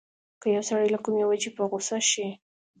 که يو سړی له کومې وجې په غوسه شي.